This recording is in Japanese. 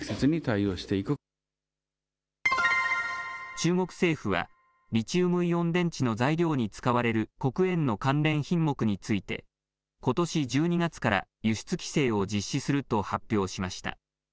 中国政府は、リチウムイオン電池の材料に使われる黒鉛の関連品目について、ことし１２月から輸出規制を実施すると発表しました。